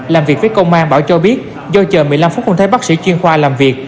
làm việc với công an bảo cho biết do chờ một mươi năm phút không thấy bác sĩ chuyên khoa làm việc